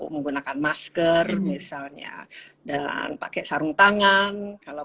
menggunakan masker misalnya dan pakai sarung tangan